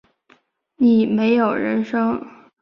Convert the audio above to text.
你没有人生